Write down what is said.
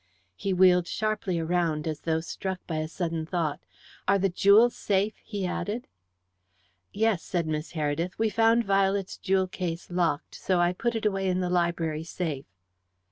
He wheeled sharply around, as though struck by a sudden thought. "Are the jewels safe?" he added. "Yes," said Miss Heredith. "We found Violet's jewel case locked, so I put it away in the library safe."